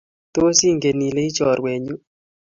tos inget ile i chorwenyu?